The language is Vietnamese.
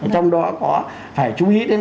trong đó có phải chú ý đến